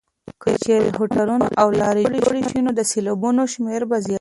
که چېرې هوټلونه او لارې جوړې شي نو د سېلانیانو شمېر به زیات شي.